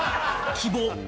希望。